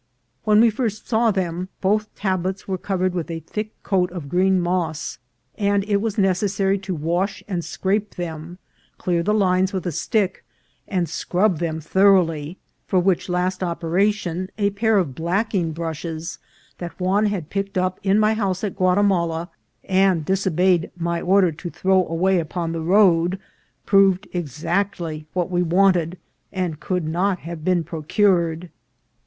When we first saw them both tablets were covered with a thick coat of green moss, and it was necessary to wash and scrape them, clear the lines with a stick, and scrub them thoroughly, for which last operation a pair of blacking brushes that Juan had picked up in my house at Guatimala, and disobeyed my order to throw away upon the road, proved exactly what we wanted and could not have procured.